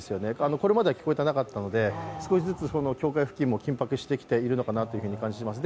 これまでは聞こえていなかったので少しずつ境界付近も緊迫してきているのかなという感じがいたします。